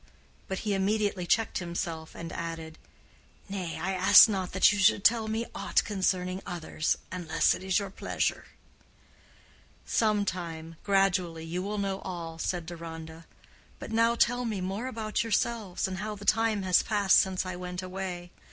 but he immediately checked himself, and added, "Nay, I ask not that you should tell me aught concerning others, unless it is your pleasure." "Some time—gradually—you will know all," said Deronda. "But now tell me more about yourselves, and how the time has passed since I went away.